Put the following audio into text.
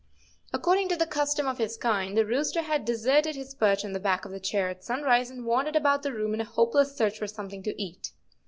According to the custom of his kind, the rooster had deserted his perch on the back of the chair at sunrise and wandered about the room in a hopeless search for something to eat.